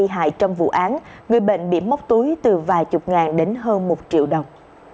bị hại trong vụ án người bệnh bị móc túi từ vài chục ngàn đến hơn một triệu đồng